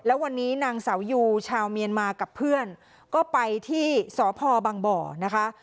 แล้ววันนี้นางเสายูชาวเมียนมากับเพื่อนก็ไปที่สพบังบ่อนะคะ